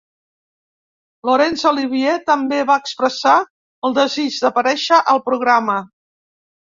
Laurence Olivier també va expressar el desig d'aparèixer al programa.